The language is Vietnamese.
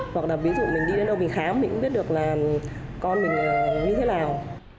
hoặc là ví dụ mình đi đến đâu mình khám mình cũng biết được là con mình như thế nào